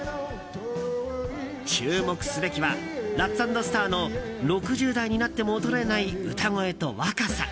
注目すべきはラッツ＆スターの６０代になっても衰えない歌声と若さ。